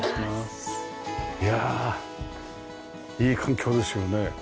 いやあいい環境ですよね。